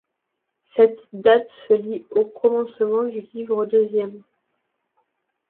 Cette date se lit au commencement du Livre deuxième.